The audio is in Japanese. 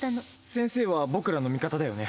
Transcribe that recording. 先生は僕らの味方だよね。